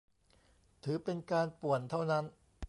ถือเป็นการป่วนเท่านั้น